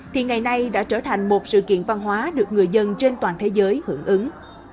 thì ngày nay đã trở thành một sự kiện văn hóa được người dân trên toàn thế giới hưởng ứng